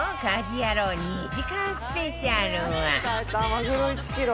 マグロ１キロ。